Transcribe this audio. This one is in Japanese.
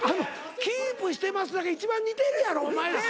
「キープしてます」だけ一番似てるやろ？